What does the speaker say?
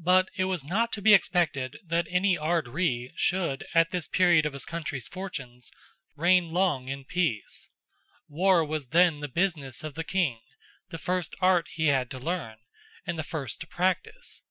But it was not to be expected that any Ard Righ should, at this period of his country's fortunes, reign long in peace. War was then the business of the King; the first art he had to learn, and the first to practise.